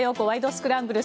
スクランブル」。